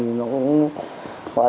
giá đông giá rồi